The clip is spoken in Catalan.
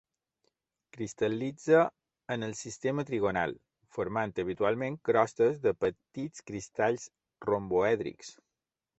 Cristal·litza en el sistema trigonal, formant habitualment crostes de petits cristalls romboèdrics.